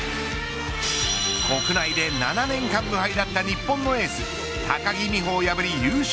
国内で７年間無敗だった日本のエース高木美帆を破り優勝。